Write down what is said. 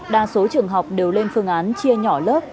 đa số trường học đều lên phương án chia nhỏ lớp